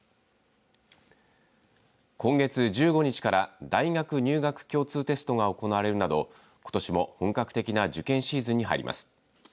今月１５日から大学入学共通テストが行われるなど、ことしも本格的な受験シーズンに入ります。